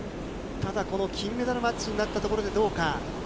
ただこの金メダルマッチになったところでどうか。